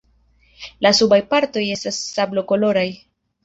La subaj partoj estas sablokoloraj.